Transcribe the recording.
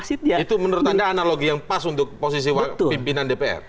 itu menurut anda analogi yang pas untuk posisi pimpinan dpr